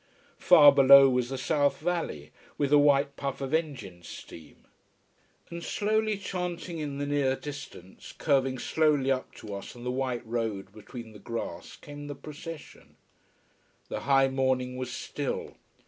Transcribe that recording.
Far below was the south valley, with a white puff of engine steam. And slowly chanting in the near distance, curving slowly up to us on the white road between the grass came the procession. The high morning was still.